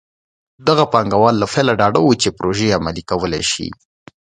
دغه پانګوال له پیله ډاډه وو چې پروژې عملي کولی شي.